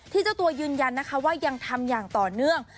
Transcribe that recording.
เจ้าตัวยืนยันนะคะว่ายังทำอย่างต่อเนื่อง